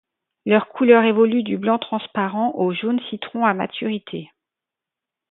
Leur couleur évolue du blanc transparent au jaune citron à maturité.